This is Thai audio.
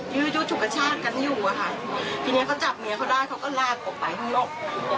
ยุดฉุกกระชากกันอยู่อะค่ะทีนี้เขาจับเมียเขาได้เขาก็ลากออกไปข้างนอก